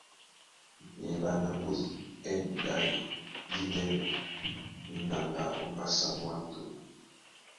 Na eɓanda a mbódi é ɛ́nɛ́ ɗále díndɛ́nɛ dí naŋgá ó mbásǎn mwá ní toŋgo.